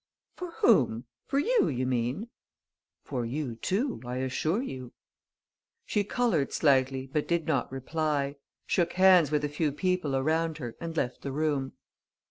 "For whom? For you, you mean?" "For you, too, I assure you." She coloured slightly, but did not reply, shook hands with a few people around her and left the room.